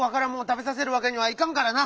たべさせるわけにはいかんからな。